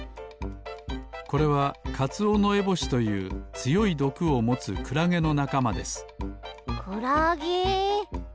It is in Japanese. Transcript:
これはカツオノエボシというつよいどくをもつクラゲのなかまですクラゲ！？